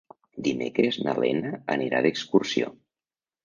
Dimecres na Lena anirà d'excursió.